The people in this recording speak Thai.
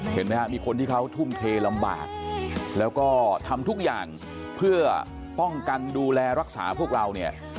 เห็นไหมครับมีคนที่เขาทุ่มเทลำบากแล้วก็ทำทุกอย่างเพื่อป้องกันดูแลรักษาพวกเราเนี่ย